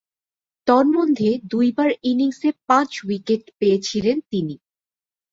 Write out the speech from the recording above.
তন্মধ্যে দুইবার ইনিংসে পাঁচ-উইকেট পেয়েছিলেন তিনি।